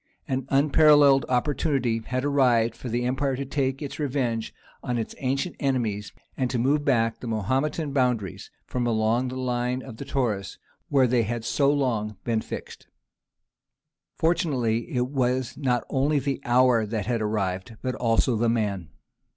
An unparalleled opportunity had arrived for the empire to take its revenge on its ancient enemies and to move back the Mahometan boundaries from the line along the Taurus where they had so long been fixed. Fortunately it was not only the hour that had arrived, but also the man.